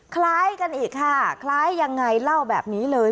คล้ายกันอีกค่ะคล้ายยังไงเล่าแบบนี้เลย